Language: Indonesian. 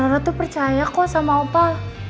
ra tuh percaya kok sama opa